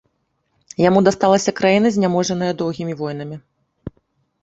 Яму дасталася краіна, зняможаная доўгімі войнамі.